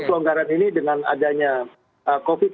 pelonggaran ini dengan adanya covid sembilan belas